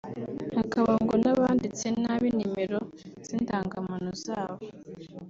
hakaba ngo n’abanditse nabi nimero z’indangamuntu zabo